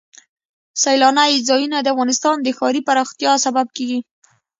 سیلانی ځایونه د افغانستان د ښاري پراختیا سبب کېږي.